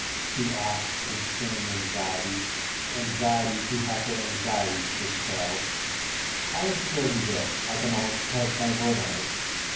she asked in strained anxiety anxiety to have her anxieties dispelled. "I am sure he will. I can almost pledge my word on it.